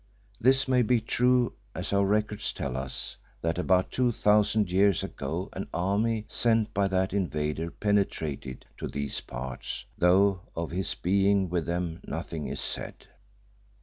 This may be true, as our records tell us that about two thousand years ago an army sent by that invader penetrated to these parts, though of his being with them nothing is said.